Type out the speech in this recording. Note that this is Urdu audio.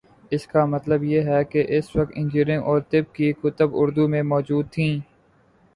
اس کا مطلب یہ ہے کہ اس وقت انجینئرنگ اور طب کی کتب اردو میں مو جود تھیں۔